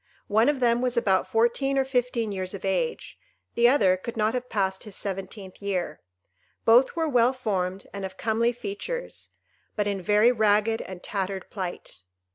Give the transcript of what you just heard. One of them was about fourteen or fifteen years of age; the other could not have passed his seventeenth year. Both were well formed, and of comely features, but in very ragged and tattered plight.